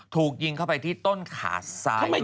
ถูกยิงเข้าไปที่ต้นขาซ้าย